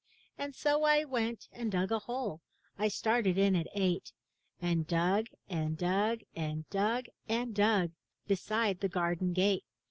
And so I went and dug a hole, — I started in at eight, — And dug and dug and dug and dug, Beside the garden gate.